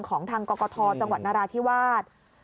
ของทางกรกฐจังหวัดนราธิวาส